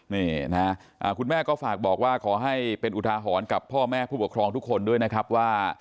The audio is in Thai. นี่นะคุณแม่ก็ฝากบอกว่าขอให้เป็นอุทาหรณ์กับพ่อแม่ผู้ปกครองทุกคนด้วยนะครับว่า